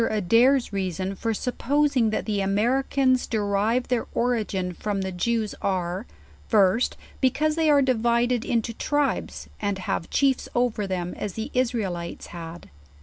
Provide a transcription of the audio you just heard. Adairs reason for supposing that the Americans derivo their origin from the Jews, are, First, because they are divi ded into tribes, and have chiefs over them as the Israelita had.